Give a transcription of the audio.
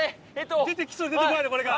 出てきそうで出てこないのこれが。